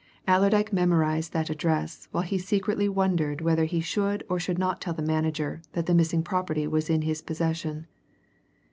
Allerdyke memorized that address while he secretly wondered whether he should or should not tell the manager that the missing property was in his possession.